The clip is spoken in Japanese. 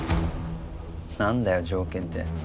何だよ条件って